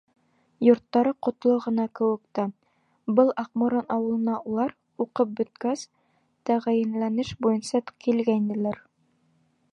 Йорттары ҡотло ғына кеүек тә, Был Аҡморон ауылына улар, уҡып бөткәс, тәғәйенләнеш буйынса килгәйнеләр.